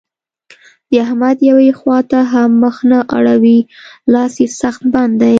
د احمد يوې خوا ته هم مخ نه اوړي؛ لاس يې سخت بند دی.